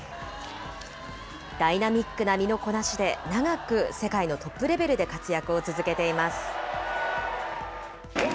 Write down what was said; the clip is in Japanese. ダイナミックな身のこなしで、長く世界のトップレベルで活躍を続けています。